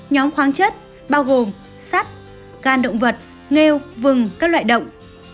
nhóm khoáng chất bao gồm sắt gan động vật nghêu vừng các loại động